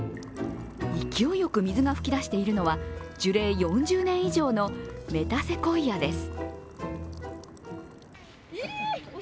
勢いよく水が噴き出しているのは樹齢４０年以上のメタセコイアです。